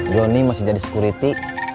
jonny masih jadi security